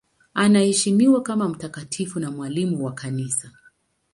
Anaheshimiwa kama mtakatifu na mwalimu wa Kanisa.